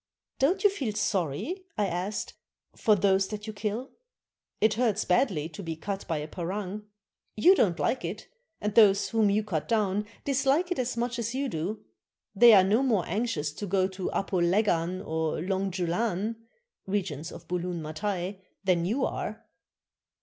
"Don't you feel sorry," I asked, "for those that you kill? It hurts badly to be cut by a 570 A VISIT TO A HEAD HUNTER OF BORNEO parang ; you don't like it, and those whom you cut down dislike it as much as you do; they are no more anxious to go to Apo Leggan or Long Julan [regions of Bulun Matai] than you are."